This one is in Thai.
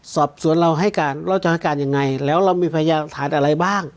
สอบสวนเราให้การเราจะให้การยังไงแล้วเรามีพยานฐานอะไรบ้าง